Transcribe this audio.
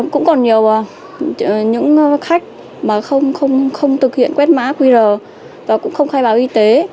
cũng còn nhiều những khách mà không thực hiện quét mã qr và cũng không khai báo y tế